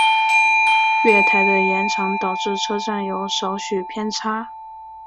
月台的延长导致车站有少许偏差。